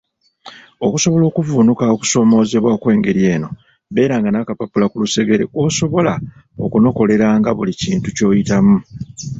Okusobola okuvvuunuka okusoomoozebwa okw’engeri eno, beeranga n’akapapula ku lusegere kw’osobola okunokoleranga buli kintu ky’oyitamu.